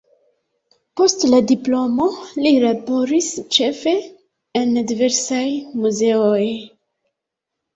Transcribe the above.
Post la diplomo li laboris ĉefe en diversaj muzeoj.